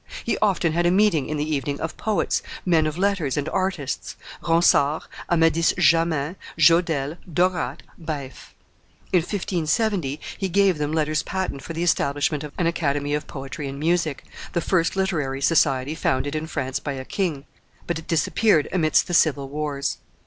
He often had a meeting, in the evening, of poets, men of letters, and artists Ronsard, Amadis Jamin, Jodelle, Daurat, Baif; in 1570 he gave them letters patent for the establishment of an Academy of poetry and music, the first literary society founded in France by a king; but it disappeared amidst the civil wars.